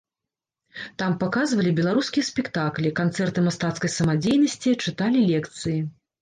Там паказвалі беларускія спектаклі, канцэрты мастацкай самадзейнасці, чыталі лекцыі.